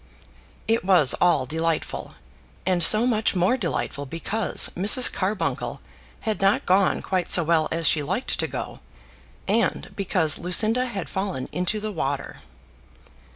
It was all delightful; and so much more delightful because Mrs. Carbuncle had not gone quite so well as she liked to go, and because Lucinda had fallen into the water.